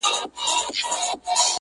د لېوني د ژوند سُر پر یو تال نه راځي